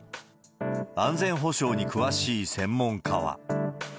安全保障に詳しい専門家は。